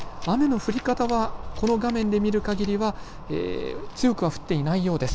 雨の降り方はこの画面で見るかぎりは強く降っていない様子です。